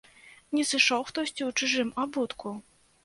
Не сышоў хтосьці ў чужым абутку?